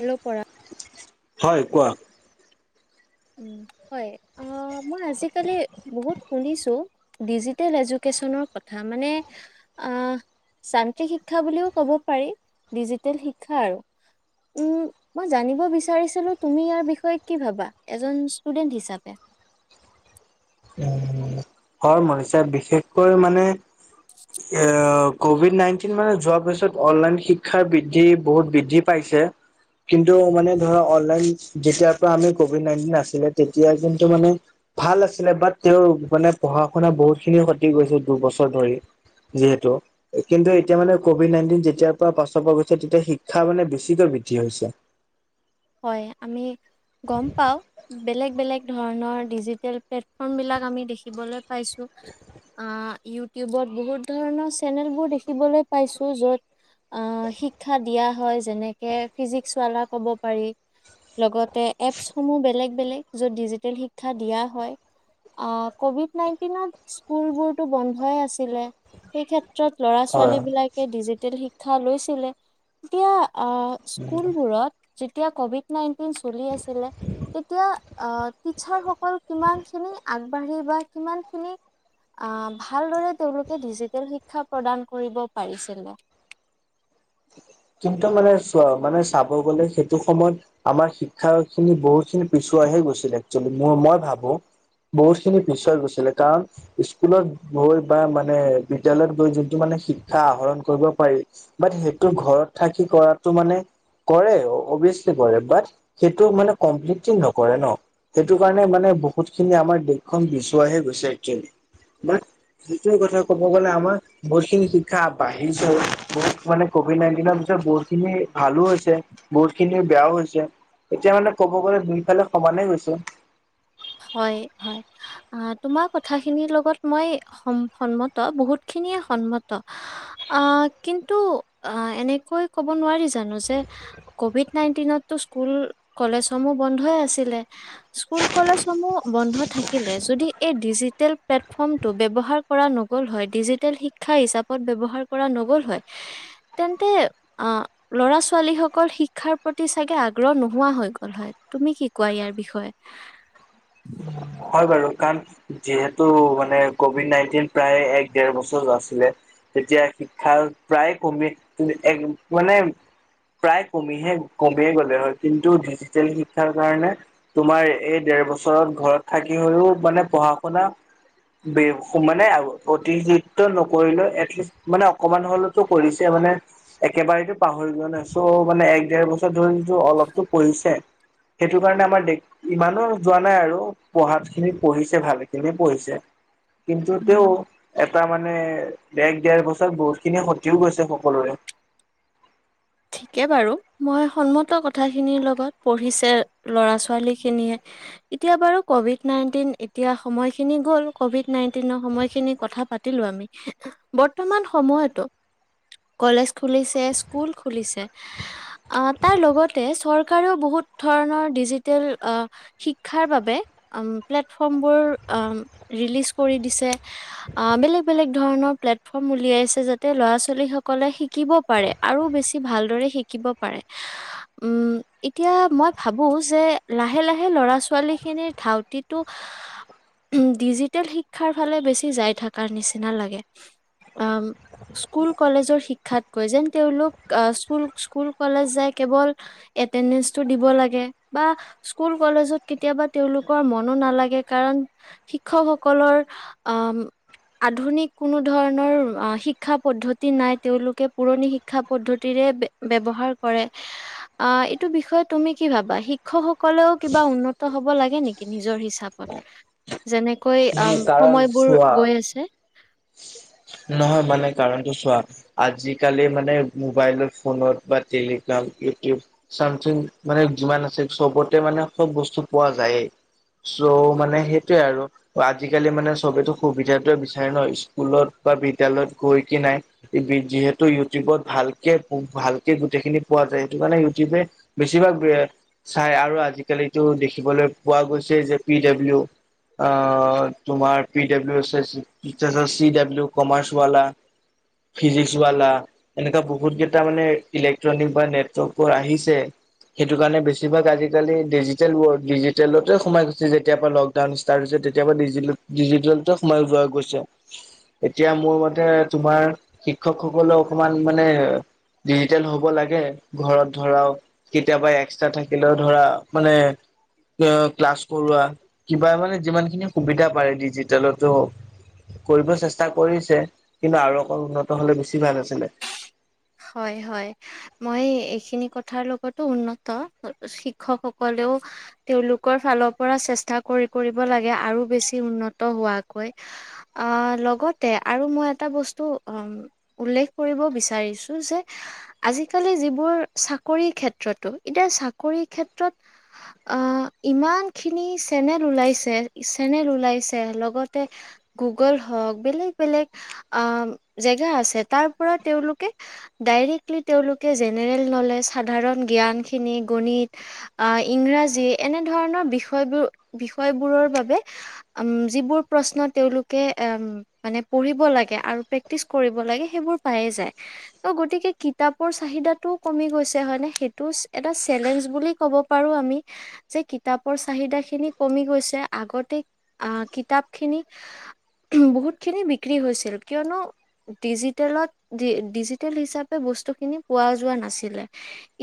আলু পুৰা। হয় কোৱা। হয় আহ মই আজিকালি বহুত শুনিছো ডিজিটেল এজুকে্চনৰ কথা মানে আহ যান্ত্ৰিক শিক্ষা বুলিও কব পাৰি ডিজিটেল শিক্ষা আৰু উ মই জানিব বিচাৰিছিলো তুমি ইয়াৰ বিষয়ে কি ভাবা এজন ষ্টুডেণ্ট হিচাপে হয় মনিশা বিশেষকৈ মানে এয়া কভিড নাইনটিন মানে যোৱাৰ পিছত অনলাইন শিক্ষাৰ বৃদ্ধি বহুত বৃদ্ধি পাইছে কিন্তু মানে ধৰা অনলাইন যেতিয়াৰ পৰা আমি কভিড নাইনটিন আছিলে তেতিয়া কিন্তু মানে ভাল আছিলে বাট তেওঁৰ মানে পঢ়া শুনা বহুতখিনি ক্ষতি গৈছে দুবছৰ ধৰি যিহেতু কিন্তু এতিয়া মানে কভিড নাইনটিন যেতিয়াৰ পৰা পাছৰ পৰা গৈছে তেতিয়া শিক্ষা মানে বেছিকৈ বৃদ্ধি হৈছে হয় আমি গম পাওঁ বেলেগ বেলেগ ধৰণৰ ডিজিটেল প্লেটফৰ্মবিলাক আমি দেখিবলৈ পাইছো অ ইউটিউবত বহুত ধৰণৰ চেনেলবোৰ দেখিবলৈ পাইছো য'ত অ শিক্ষা দিয়া হয় যেনেকে ফিজিক্সৱালা ক'ব পাৰি লগতে এপছসমূহ বেলেগ বেলেগ যত ডিজিটেল শিক্ষা দিয়া হয় আ কভিড নাইনটিনত স্কুলবোৰতো বন্ধই আছিলে সেই ক্ষেত ল'ৰা হয়। ছোৱালীবিলাকে ডিজিট শিক্ষা লৈছিলে তেতিয়া আ স্কুলবোৰত যেতিয়া কভিড নাইন চলি আছিলে তেতিয়া আ টিচাৰসকল কিমানখিনি আগবাঢ়ি বা কিমানখিনি আ ভালদৰে তেওঁলোকে ডিজিটেল শিক্ষা প্ৰদান কৰিব পাৰিছিলে কিন্তু মানে চোৱা মানে চাব গলে সেইটো সময়ত আমাৰ শিক্ষা খিনি বহুতখিনি পিচুৱাই হে গৈছিলে একচুৱেলি ম মই ভাবো বহুতখিনি পিছুৱাই গৈছিলে কাৰণ স্কুলত গৈ বা মানে বিদ্যালয়ত গৈ যোনটো মানে শিক্ষা আহৰণ কৰিব পাৰি বাট হে ঘৰত থাকি কৰাতটো মানে কৰে অবিয়াচলি কৰে বাট সেইটো মানে কমপ্লিতলি নকৰে ন সেইটো কাৰণে মানে বহুত খিনি আমাৰ দেশখন পিচুৱাহে গৈছে একচুৱেলি মানে যিটো কথা ক'ব গ'লে আমাৰ বহুতখিনি শিক্ষা বাঢ়িছে বহুত মানে কভিড নাইনটিনৰ পিছত বহুতখিনি ভালো হৈছে বহুত খিনি বেয়াও হৈছে এতিয়া মানে কব গ'লে দুইফালে সমানে গৈছে হয় হয়। তোমাৰ কথাখিনিৰ লগত মই সন সন্মত বহুতখিনিয়ে সন্মত, আ কিন্তু আ এনেকৈ ক'ব নোৱাৰি জানো যে কভিড নাইনটিনতো স্কুল কলেজসমূহ বন্ধই আছিলে। স্কুল কলেজসমূহ বন্ধ থাকিলে যদি এই ডিজিটেল প্লেটফৰ্মটো ব্যৱহাৰ কৰা নগল হয় ডিজিটেল শিক্ষা হিচাপত ব্যৱহাৰ কৰা নগল হয়, তেন্তে আ ল'ৰা ছোৱালী সকল শিক্ষাৰ প্ৰতি চাগে আগ্ৰহ নোহোৱা হৈ গল হয়। তুমি কি কোৱা ইয়াৰ বিষয়ে। হয় বাৰু কাৰণ যিহেতু মানে কভিড নাইনটিন প্ৰায় এক ডেৰ বছৰ আছিলে তেতিয়া শিক্ষা প্ৰায় কমি [unintelligible] এক মানে প্ৰায় কমিহে কমিয়ে গ'লে হয়, কিন্তু ডিজিটেল শিক্ষাৰ কাৰণে তোমাৰ এই ডেৰ বছৰত ঘৰত থাকি হলেও মানে পঢ়া শুনা [unintelligible] মানে প্ৰতিযিত্ব নকৰিলেও এটলিষ্ট মানে অকমান হলেতো কৰিছে মানে একেবাৰেো পাহৰি যোৱা নাই চ' মানে এক দেৰ বছৰ ধৰিতো অলপতো পঢ়িছে সেইটো কাৰণে আমাৰ ইমানো যোৱা নাই আৰু পঢ়াত খিনি পঢ়িছে, ভালে খিনি পঢ়িছে। কিন্তু উম। তেওঁ এটা মানে বেগ দিয়াৰ পিছত বহুতখিনি ক্ষতিও গৈছে সকলোৰে ঠিকে বাৰু মই সন্মত কথাখিনিৰ লগত পঢ়িছে ল'ৰা ছোৱালী খিনিয়ে এতিয়া বাৰু কভিড নাইনটিন এতিয়া সময়খিনি গ'ল কভিড নাইনটিনৰ সময়খিনিৰ কথাত পাতিলো আমি। আহ বৰ্তমান সময়তো কলেজ খুলিছে স্কুল খুলিছে। আ তাৰ লগতে চৰকাৰেও বহুত ধৰণৰ ডিজিটেল আ শিক্ষাৰ বাবে আম প্লেটফৰ্মবোৰ আ ৰিলিজ কৰি দিছে আ বেলেগ বেলেগ ধৰণৰ প্লেটফৰ্ম উলিয়াইছে যাতে ল'ৰা ছোৱালীসকলে শিকিব পাৰে আৰু বেছি ভালদৰে শিকিব পাৰে। উম এতিয়া মই ভাবো যে লাহে লাহে লৰা ছোৱালী খিনিৰ ধাউতিটো উ ডিজিটেল শিক্ষাৰ ফালে বেছি যাই থকাৰ নিচিনা লাগে। আ স্কুল কলেজৰ শিক্ষাতকৈ যেন তেওঁলোক আ স্কুল স্কুল কলেজ যায় কেৱল এটেণ্ডেঞ্চটো দিব লাগে বা স্কুল কলেজত কেতিয়াবা তেওঁলোকৰ মনো নালাগে কাৰণ শিক্ষকসকলৰ অম আধুনিক কোনো ধৰণৰ আ শিক্ষা পদ্ধতি নাই তেওঁলোকে পুৰণি শিক্ষা পদ্ধতিৰে বে ব্যৱহাৰ কৰে আ এইটো বিষয়ে তুমি কি ভাবা শিক্ষকসকলেও কিবা উন্নত হব লাগে নেকি নিজৰ হিচাপত? যেনে কৈ উম অম কাৰণ সময়বোৰ চোৱা গৈ আছে নহয় মানে কাৰণটো চোৱা আজিকালি মানে মোবাইলত ফোনত বা টেলিগ্ৰাম ইউটিউব চামথিং মানে যিমান আছে চবতে মানে সব বস্তু পোৱা যায়েই চ' মানে সেইটোয়ে আৰু আজিকালি মানে চবেতো সুবিধটোৱে বিচাৰে ন ইচ স্কুলত বা বিদ্য়ালয়ত গৈ কি নাই যিহেতু ইউটিউবত ভালকে ভালকে গোটেইখিনি পোৱা যায় সেইটো কাৰণে ইউটিউবে বেছিভাগ চাই আৰু আজিকালো দেখিবলৈ পোৱা গৈছে যে পি ডাব্লিউ আহ তোমাৰ পি ডাব্লিউ ইটেস্ত চি ডাব্লিউ কমাৰ্চৱালা ফিজিক্সৱালা এনেকুৱা বহুত কেইটা মানে ইলেক্ট্ৰনিক বা নেটৱৰ্কৰ আহিছে সেইটো কাৰণে বেছিভাগ আজিকালি ডিজিটেল ৱৰ্ল ডিজিটেলতে সোমাই গৈছে যেতিয় লকডাউন ষ্টাৰ্ট হৈছে তেতিয়া পৰা ডিজিতেলতে সোমাই যোৱা গৈছে এতিয়া মোৰ মতে তোমাৰ শিক্ষকসকলে অকমান মানে ডিজিটেল হব লাগে ঘৰত ধৰাও কেতিয়াবা এক্সট্ৰা থাকিলেও ধৰা মানে ক্লাছ কৰোৱা কিবা মানে যিমানখিনি সুবিধা পাৰে ডিজিটেলতো কৰিব চেষ্টা কৰিছে কিন্তু আৰু অকল উন্নত হলে বেছি ভাল আছিলে হয় হয় মই এইখিনি কথাৰ লগতো উন্নত শিক্ষকসকলেও তেওঁলোকৰ ফালৰ পৰা চেষ্টা কৰি কৰিব লাগে আৰু বেছি উন্নত হোৱাকৈ আহ লগতে আৰু মই এটা বস্তু উল্লেখ কৰিব বিচাৰিছো যে আজিকালি যিবোৰ চাকৰি ক্ষেত্ৰতো এতিয়া চাকৰি ক্ষেত্ৰত আহ ইমানখিনি চেনেল ওলাইছে চেনেল ওলাইছে লগতে গুগল হওঁক বেলেগ বেলেগ আহ জেগা আছে তাৰ পৰা তেওঁলোকে ডাইৰেক্টলি তেওঁলোকে জেনেৰেল নলেজ সাধাৰণ জ্ঞানখিনি গণিত আহ ইংৰাজী এনেধৰণৰ বিষয়বোৰ বিষয়বোৰৰ বাবে যিবোৰ প্ৰশ্ন তেওঁলোকে মানে পঢ়িব লাগে আৰু প্ৰেক্টিচ কৰিব লাগে সেইবোৰ পায়ে যায় ত' গতিকে কিতাপৰ চাহিদাটোও কমি গৈছে হয়নে সেইটো এটা চেলেঞ্জ বুলি ক'ব পাৰো আমি যে কিতাপৰ চাহিদা খিনি কমি গৈছে আগতে আহ কিতাপ খিনি বহুতখিনি বিক্ৰী হৈছিল কিয়নো ডিজিটেলত ডিজি ডিজিটেল হিচাপে বস্তু খিনি পোৱা যোৱা নাছিলে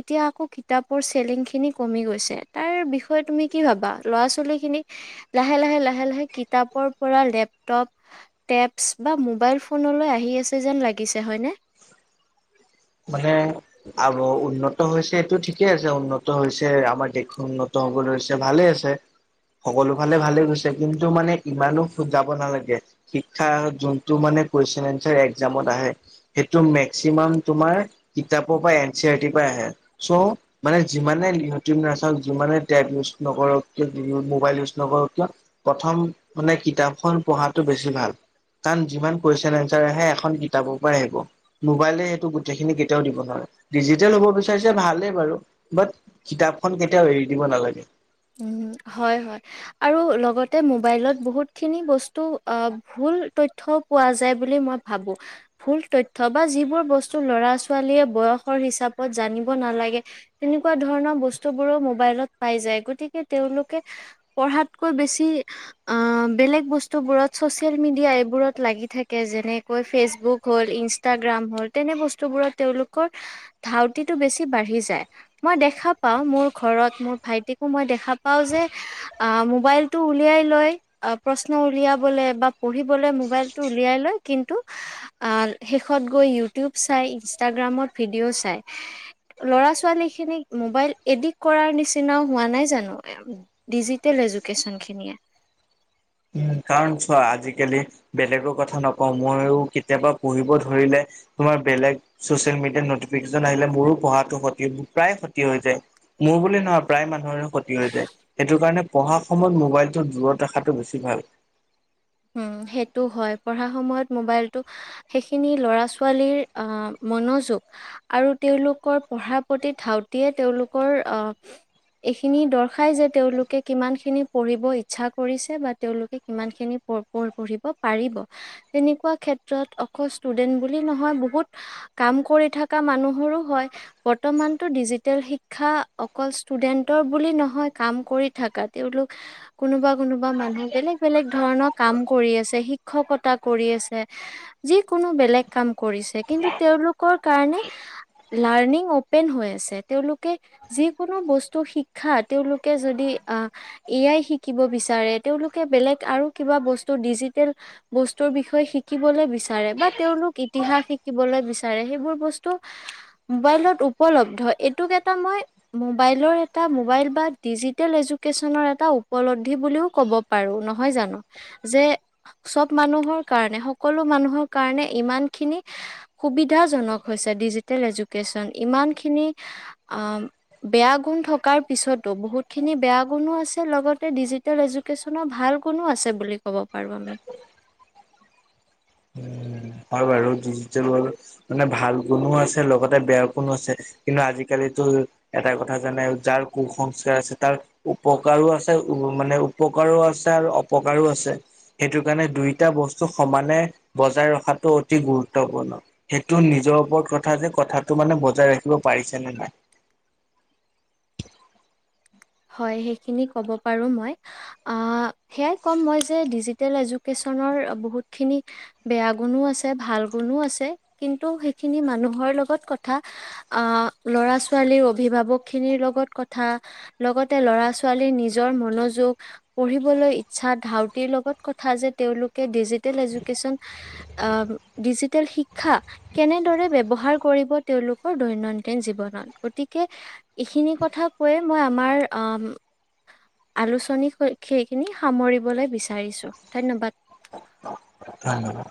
এতিয়া আকৌ কিতাপৰ ছেলিং খিনি কমি গৈছে তাৰ বিষয় তুমি কি ভাবা ল'ৰা ছোৱালীখিনি লাহে লাহে লাহে লাহে কিতাপৰ পৰা লেপটব টেস্প বা ম'বাইল ফোনলৈ আহি আছে যেন লাগিছে হয়নে? মানে আ উন্নত হৈছে সটো ঠিকে আছে উন্নত হৈছে আমাৰ দেশো উন্নত হব হৈছে ভালে আছে সকলো ফালে ভালে গৈছে কিন্তু মানে ইমানো যাব নালাগে শিক্ষা যোনটো মানে কুৱেশন এনচাৰ একজামত আহে সেইটো মেক্সিমাম তোমাৰ কিতাপৰ পৰা এন চি আৰ টিৰ পৰা আহে চ' মানে যিমানেট নাচাওক যিমানে টেপ ইউজ নকৰকিয় মোবাইল ইউজ নকৰক কিয় প্ৰথম মানে কিতাপখন পঢ়াতটো বেছি ভাল কাৰণ যিমান কুৱেশচন এচাৰ আহে এখন কিতাপৰ পৰাই আহিব মোবাইলে গোটেইখিনি কেতিয়াও দিব নোৱাৰে ডিজিটেল হব বিচাৰিছে ভালেই বাৰু বাট কিতাপখন কেতিয়াও এৰি দিব নালাগে উ হয় হয় আৰু লগতে মোবাইলত বহুত খিনি বস্তু আহ ভুল তথ্য়ও পোৱা যায় বুলি মই ভাবো ভুল তথ্য বা যিবোৰ বস্তু লৰা ছোৱালীয়ে বয়সৰ হিচাপত জানিব নালাগে তেনেকুৱা ধৰণৰ বস্তু বোৰো মোবাইলত পাই যায় গতিকে তেওঁলোকে পঢ়াতকৈ বেছি আহ বেলেগ বস্তুবোৰত চচিয়েল মিডিয়া এইবোৰত লাগি থাকে যেনেকৈ ফেচবুক হল ইনষ্টাগ্ৰাম হল তেনে বস্তুবোৰত তেওঁলোকৰ ধাউতিতটো বেছি বাঢ়ি যায় মই দেখা পাওঁ মোৰ ঘৰত মোৰ ভাইটিক মই দেখা পাওঁ যে মোবাইলটো উলিয়াই লৈ প্ৰশ্ন উলিয়াবলৈ বা পঢ়িবলৈ মোবাইলটো উলিয়াই লৈ কিন্তু শেষত গৈ ইউটিউব চাই ইনষ্টাগ্ৰামত ভিডিঅ' চাই ল'ৰা ছোৱালীখিনিক মোবাইল এডিক্ট কৰাৰ নিচিনাও হোৱা নাই জানো ডিজিটেল এজুকেচন খিনিয়ে কাৰণ চোৱা আজিকালি বেলেগৰ কথা নকওঁ মইো কেতিয়াবা পঢ়িব ধৰিলে তোমাৰ বেলেগ চচিয়েল মিডিয়াত নটিফিকেশচন আহিলে মোৰো পঢ়াটো ক্ষতি প্ৰায় ক্ষতি হৈ যায় মোৰ বুলি নহয় প্ৰায় মানুহৰে ক্ষতি হৈ যায় সেইটো কাৰণে পঢ়া সময়ত মোবাইলটো দূৰত ৰখাতটো বেছি ভাল উ সেইটো হয় পঢ়া সময়ত মোবাইলটো সেইখিনি লৰা ছোৱালীৰ আহ মনোযোগ আৰু তেওঁলোকৰ পঢ়াৰ প্ৰতি ধাউতিয়ে তেওঁলোকৰ আহ এইখিনি দৰ্শায় যে তেওঁলোকে কিমানখিনি পঢ়িব ইচ্ছা কৰিছে বা তেওঁলোকে কিমান খিনি পঢ়িব পাৰিব তেনেকুৱা ক্ষেত্ৰত অকল ষ্টুডেন্ট বুলি নহয় বহুত কাম কৰি থকা মানুহৰো হয় বৰ্তমানতো ডিজিটেল শিক্ষা অকল ষ্টুডেন্টৰ বুলি নহয় কাম কৰি থকা তেওঁলোক কোনোবা কোনোবা মানুহ বেলেগ বেলেগ ধৰণৰ কাম কৰি আছে শিক্ষকতা কৰি আছে যিকোনো বেলেগ কাম কৰিছে কিন্তু তেওঁলোকৰ কাৰণে লাৰ্ণিং অপেন হৈ আছে তেওঁলোকে যিকোনো বস্তু শিক্ষা তেওঁলোকে যদি এয়াই শিকিব বিচাৰে তেওঁলোকে বেলেগ আৰু কিবা বস্তু ডিজিটেল বস্তুৰ বিষয়ে শিকিবলৈ বিচাৰে বা তেওঁলোক ইতিহাস শিকিবলৈ বিচাৰে সেইবোৰ বস্তু মোবাইলত উপলব্ধ এইটোক এটা মই মোবাইলৰ এটা মোবাইল বা ডিজিটেল এডুকেশ্যনৰ এটা উপলব্ধি বুলিও ক'ব পাৰো নহয় জানো যে সব মানুহৰ কাৰণে সকলো মানুহৰ কাৰনে ইমানখিনি সুবিধাজনক হৈছে ডিজিটেল এজুকেশচন ইমান খিনি অ বেয়া গুণ থকাৰ পিছতো বহুত খিনি বেয়া গুণো আছে লগতে ডিজিটেল এজুকে্যনৰ ভাল গুণো আছে বুলি ক'ব পাৰো আমি উম, হয় বাৰু ডিজিাৰু মানে ভাল কোনো আছে লগতে বেয়া কুোনো আছে কিন্তু আজিকালিতো এটা কথা জানে যাৰ কুসংস্কাৰ আছে তাৰ উপকাৰো আছে মানে উপকাৰো আছে আৰু অপকাৰো আছে সেইটো কাৰণে দুইটা বস্তু সমানে বজাই ৰখাত অতি গুৰুত্বপূৰ্ণ সেইটো নিজৰ ওপৰত কথা যে কথাটো মানে বজাই ৰাখিব পাৰিছেনে নাই হয় সেইখিনি ক'ব পাৰো মই সেয়াই ক'ম মই যে ডিজিটেল এডুকেশ্যনৰ বহুতখিনি বেয়া গুণো আছে ভাল গুণো আছে কিন্তু সেইখিনি মানুহৰ লগত কথা ল'ৰা ছোৱালীৰ অভিভাৱকখিনিৰ লগত কথা লগতে ল'ৰা ছোৱালীৰ নিজৰ মনোযোগ পঢ়িবলৈ ইচ্ছা ধাউতিৰ লগত কথা যে তেওঁলোকে ডিজিটেল এডুকেশ্যন ডিজিটেল শিক্ষা কেনেদৰে ব্যৱহাৰ কৰিব তেওঁলোকৰ দৈনন্দিন জীৱনত গতিকে এইখিনি কথা কৈয়ে মই আলোচনী সেইখিনি সামৰিবলৈ বিচাৰিছো ধন্যবাদ ধন্যবাদ